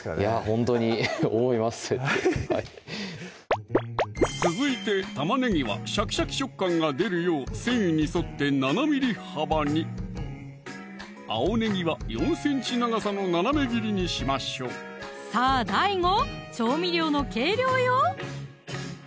ほんとに思います続いて玉ねぎはシャキシャキ食感が出るよう繊維に沿って７ｍｍ幅に青ねぎは４ｃｍ長さの斜め切りにしましょうさぁＤＡＩＧＯ調味料の計量よ！